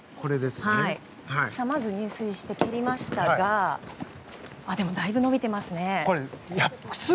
入水して蹴りましたがだいぶ伸びてますね。